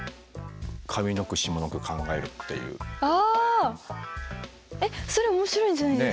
えっそれ面白いんじゃないですか？